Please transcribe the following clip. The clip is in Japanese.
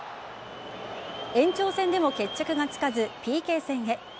延長戦でも決着がつかずＰＫ戦へ。